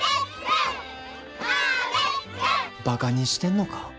ばかにしてんのか？